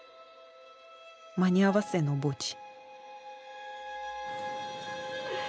間に合わせの墓地。